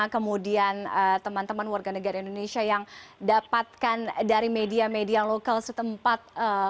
kemudian teman teman warga negara indonesia yang dapatkan dari media media lokal setempat